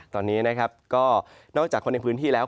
ตอนนี้ก็นอกจากคนในพื้นที่แล้ว